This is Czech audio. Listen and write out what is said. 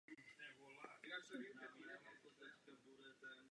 Jezero má podlouhlý nepravidelný tvar.